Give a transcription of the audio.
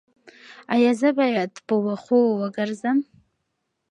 ایا زه باید په وښو وګرځم؟